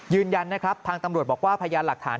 ยืนยันนะครับทางตำรวจบอกว่าพยานหลักฐาน